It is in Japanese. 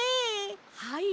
はい。